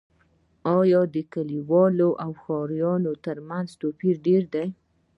آیا د کلیو او ښارونو توپیر ډیر دی؟